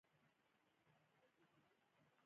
افغانستان دا مهال له يو حساس